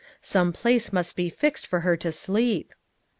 Some place must be fixed for her to sleep.